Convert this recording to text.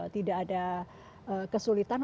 tidak ada kesulitan